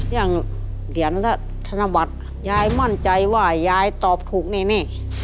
อย่างเหรียญและธนบัตรยายมั่นใจว่ายายตอบถูกนี่